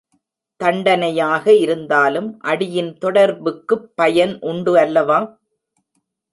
தண்டனையாக இருந்தாலும் அடியின் தொடர்புக்குப் பயன் உண்டு அல்லவா?